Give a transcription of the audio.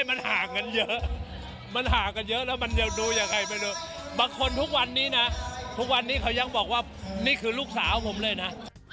บางคนทุกวันนี้นะทุกวันนี้เขายังบอกว่านี่คือลูกสาวผมเลยนะ